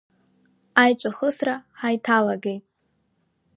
Аиҿахысра ҳаиҭалагеит.